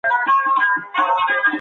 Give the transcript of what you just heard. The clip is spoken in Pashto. ولي د برېښنايي وسایلو کارول زیات دي؟